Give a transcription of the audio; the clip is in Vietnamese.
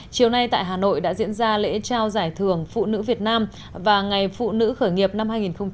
chiều nay tại hà nội đã diễn ra lễ trao giải thưởng phụ nữ việt nam và ngày phụ nữ khởi nghiệp năm hai nghìn hai mươi